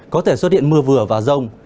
có thể xuất hiện mưa vừa và rông